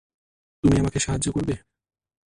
তুমি আমাকে সাহায্য করবে?